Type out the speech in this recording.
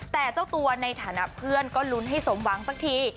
แต่เจ้าตัวในฐานะเพื่อนก็ลุ้นให้สมหวังสักที